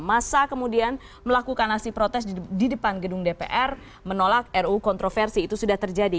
masa kemudian melakukan aksi protes di depan gedung dpr menolak ru kontroversi itu sudah terjadi